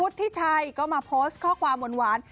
พูดที่ใช่ก็มาโพสต์ข้อความหวาน